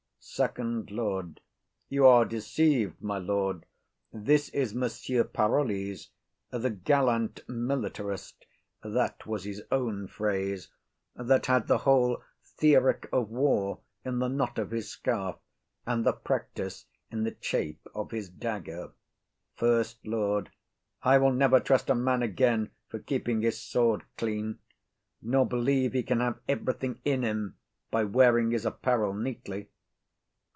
FIRST LORD. You are deceived, my lord; this is Monsieur Parolles, the gallant militarist (that was his own phrase), that had the whole theoric of war in the knot of his scarf, and the practice in the chape of his dagger. SECOND LORD. I will never trust a man again for keeping his sword clean, nor believe he can have everything in him by wearing his apparel neatly.